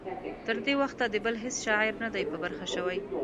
تر دې وخته د بل هیڅ شاعر نه دی په برخه شوی.